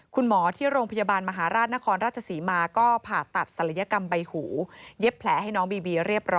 คุณหมอที่โรงพยาบาลมหาราชนครราชศรีมาร์